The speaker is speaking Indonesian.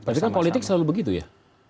tapi kan politik selalu begitu ya